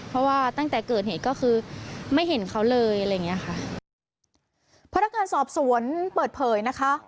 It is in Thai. พระราชการสอบสวนเปิดเผยนะคะ